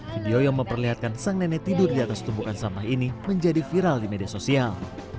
video yang memperlihatkan sang nenek tidur di atas tumpukan sampah ini menjadi viral di media sosial